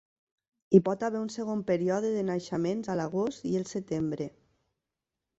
Hi pot haver un segon període de naixements a l'agost i el setembre.